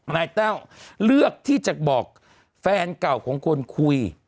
แต้วเลือกที่จะบอกแฟนเก่าของคนคุย